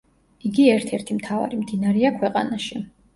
იგი ერთ-ერთი მთავარი მდინარეა ქვეყანაში.